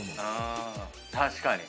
確かに。